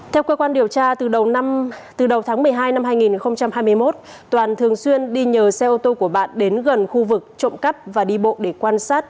theo cơ quan điều tra từ đầu tháng một mươi hai năm hai nghìn hai mươi một toàn thường xuyên đi nhờ xe ô tô của bạn đến gần khu vực trộm cắp và đi bộ để quan sát